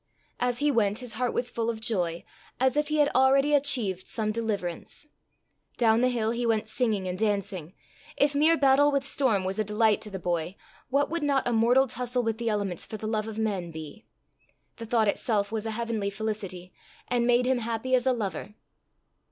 As he went his heart was full of joy, as if he had already achieved some deliverance. Down the hill he went singing and dancing. If mere battle with storm was a delight to the boy, what would not a mortal tussle with the elements for the love of men be? The thought itself was a heavenly felicity, and made him "happy as a lover."